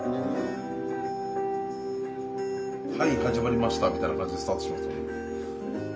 はい始まりましたみたいな感じでスタートするんですよね。